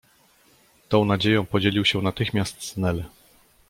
Tą nadzieją podzielił się natychmiast z Nel.